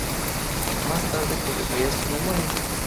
Más tarde publicaría sus memorias.